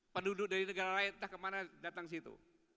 penduduk dari negara lain entah kemana datang ke situ